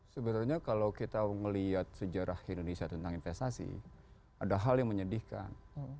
sebetulnya kalau kita melihat sejarah indonesia tentang investasi ada hal yang menyedihkan